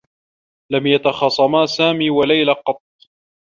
لم يتخاصما سامي و ليلى قطّ.